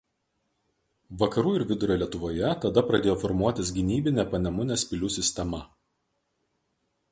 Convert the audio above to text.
Vakarų ir Vidurio Lietuvoje tada pradėjo formuotis gynybinė panemunės pilių sistema.